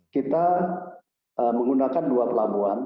kita menggunakan dua pelabuhan